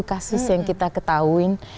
kasus yang kita ketahuin